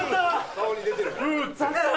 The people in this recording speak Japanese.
顔に出てるから。